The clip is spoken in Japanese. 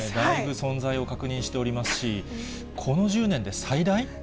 存在を確認しておりますし、この１０年で最大？